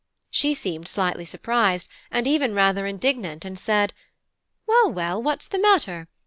She seemed rather surprised, and even slightly indignant, and said: "Well, well, what's the matter?